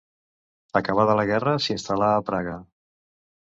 Acabada la guerra, s'instal·là a Praga.